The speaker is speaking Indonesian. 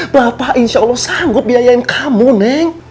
bapak insya allah sanggup biayain kamu neng